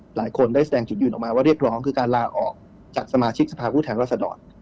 หลายคนได้แสดงจุดยืนออกมาว่าเรียกร้องคือการลาออกจากสมาชิกสภาพผู้แทนรัศดร